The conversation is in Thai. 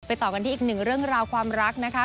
ต่อกันที่อีกหนึ่งเรื่องราวความรักนะคะ